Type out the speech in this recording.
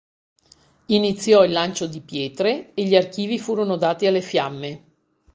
Iniziò il lancio di pietre, e gli archivi furono dati alle fiamme.